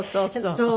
そう。